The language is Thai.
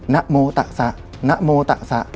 นะโมตัดสะนะโมตัดสะ